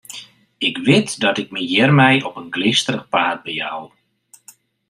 Ik wit dat ik my hjirmei op in glysterich paad bejou.